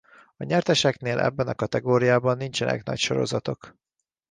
A nyerteseknél ebben a kategóriában nincsenek nagy sorozatok.